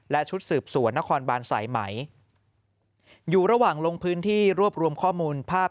และชุดสืบสวนนครบานสายไหมอยู่ระหว่างลงพื้นที่รวบรวมข้อมูลภาพ